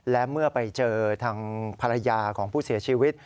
และเมื่อไปเจอทางภรรยาของผู้เสียชีวิต